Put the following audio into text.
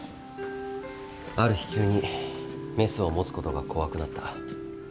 ある日急にメスを持つことが怖くなった。